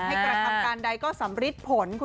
ให้กระทำการใดก็สัมฤติผล